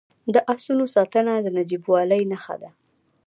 د اسونو ساتنه د نجیبوالي نښه ده.